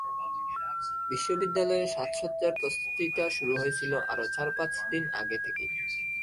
বিশ্ববিদ্যালয়ের সাজসজ্জার প্রস্তুতিটা শুরু হয়েছিল আরও চার পাঁচ দিন আগে থেকেই।